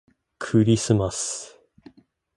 クリスマス